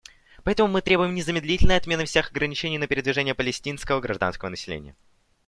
Поэтому мы требуем незамедлительной отмены всех ограничений на передвижение палестинского гражданского населения.